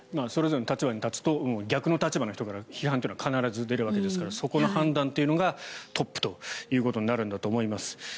それぞれの立場に立つと逆の立場の人から批判っていうのは必ず出るわけですからそこのところの判断がトップということになるんだと思います。